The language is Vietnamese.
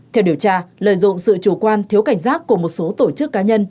theo điều tra lợi dụng sự chủ quan thiếu cảnh giác của một số tổ chức cá nhân